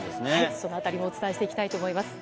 そのあたりもお伝えしていきたいと思います。